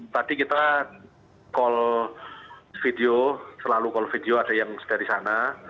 tadi kita call video selalu kalau video ada yang dari sana